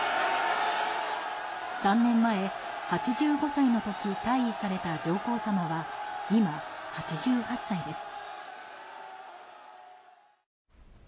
３年前、８５歳の時退位された上皇さまは今、８８歳です。